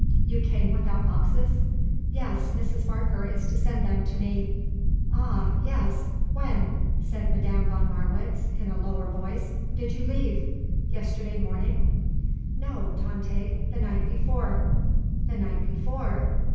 "You came without boxes?" "Yes, Mrs. Barker is to send them to me." "Ah, yes. When," said Madame von Marwitz, in a lower voice, "did you leave? Yesterday morning?" "No, Tante. The night before." "The night before?